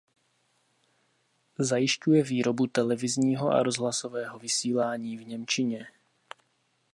Zajišťuje výrobu televizního a rozhlasového vysílání v němčině.